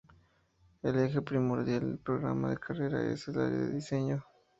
El eje primordial del programa de carrera es el área de diseño.